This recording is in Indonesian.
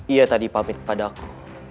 ia tadi pamit padaku